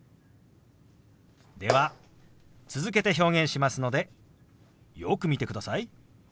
では続けて表現しますのでよく見てください。